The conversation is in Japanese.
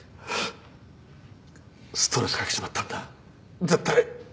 ストレスかけちまったんだ絶対。